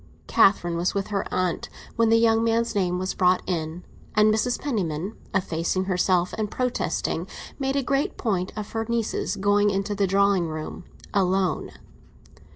Catherine was with her aunt when the young man's name was brought in, and Mrs. Penniman, effacing herself and protesting, made a great point of her niece's going into the drawing room alone.